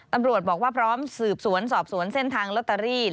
ตำรวจบอกว่าพร้อมสืบสวนสอบสวนเส้นทางลอตเตอรี่